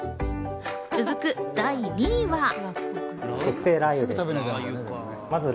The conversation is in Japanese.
続く第２位は。